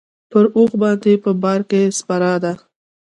پر اوښ باندې په بار کې سپره ده.